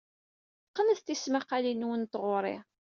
Qqnet tismaqqalin-nwen n tɣuri.